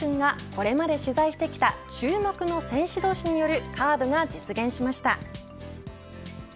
サキドリくんが、これまで取材してきた注目の選手同士によるカードが実現しました。